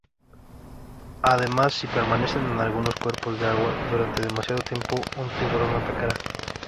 Además, si permanecen en algunos cuerpos de agua durante demasiado tiempo, un tiburón atacará.